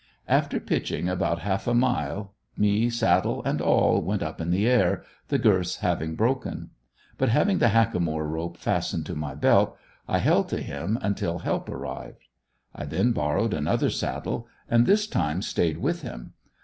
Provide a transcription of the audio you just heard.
After pitching about half a mile, me, saddle and all went up in the air, the girths having broken. But having the "hackimore" rope fastened to my belt I held to him until help arrived. I then borrowed another saddle, and this time stayed with him.